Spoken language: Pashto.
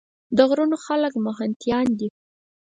د غرونو خلک محنتيان دي ـ